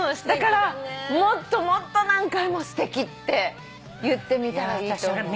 だからもっともっと何回もすてきって言ってみたらいいと思う。